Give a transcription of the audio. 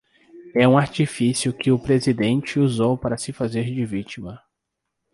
É um artifício que o presidente usou para se fazer de vítima